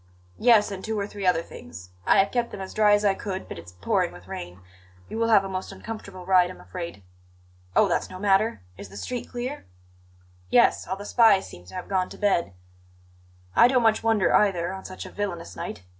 "Yes; and two or three other things. I have kept them as dry as I could, but it's pouring with rain. You will have a most uncomfortable ride, I'm afraid." "Oh, that's no matter. Is the street clear?" "Yes; all the spies seem to have gone to bed. I don't much wonder either, on such a villainous night.